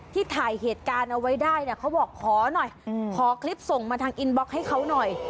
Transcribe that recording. ที่ถ่ายเหตุการณ์เอาไว้ได้เนี่ยเขาบอกขอหน่อยขอคลิปส่งมาทางอินบล็อกให้เขาหน่อย